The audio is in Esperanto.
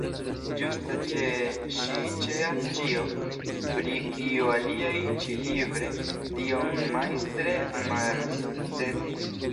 Ĝuste ĉe ŝi ĉeas ĉio, pri kio aliaj ĉi-libre tiom majstre malsukcesis.